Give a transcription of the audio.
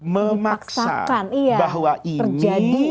memaksakan bahwa ini